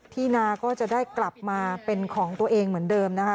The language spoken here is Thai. นาก็จะได้กลับมาเป็นของตัวเองเหมือนเดิมนะคะ